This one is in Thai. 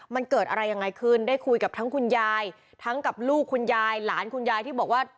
มันเกิดอะไรยังไงขึ้นได้คุยกับทั้งคุณยายทั้งกับลูกคุณยายหลานคุณยายที่บอกว่า